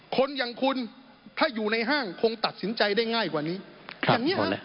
คนอย่างคุณถ้าอยู่ในห้างคงตัดสินใจได้ง่ายกว่านี้อย่างนี้